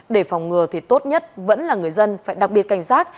để phòng ngừa thì tốt nhất vẫn là người dân phải đặc biệt cảnh giác